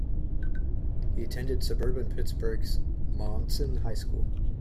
He attended suburban Pittsburgh's Monessen High School.